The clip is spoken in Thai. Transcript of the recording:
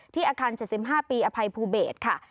อาคาร๗๕ปีอภัยภูเบศค่ะ